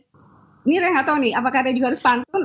ini saya nggak tahu nih apakah dia juga harus pantun